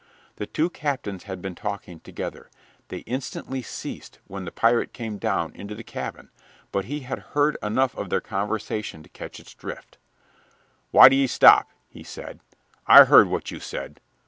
The two captains had been talking together. They instantly ceased when the pirate came down into the cabin, but he had heard enough of their conversation to catch its drift. "Why d'ye stop?" he said. "I heard what you said.